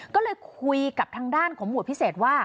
ก็เลยคุยกับทางด้านของหมวดพิเศษว่า